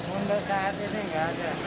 untuk saat ini nggak ada